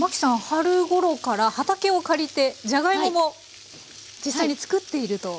春ごろから畑を借りてじゃがいもも実際に作っていると。